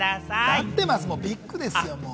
なってます、もうビッグですよ。